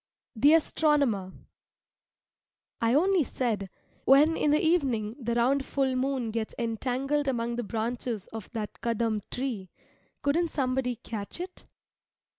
THE ASTRONOMER I only said, "When in the evening the round full moon gets entangled among the branches of that Kadam tree, couldn't somebody catch it?"